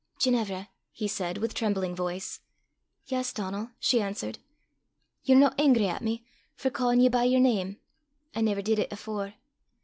"Ginevra!" he said, with trembling voice. "Yes, Donal," she answered. "Ye're no angry at me for ca'in ye by yer name? I never did it afore."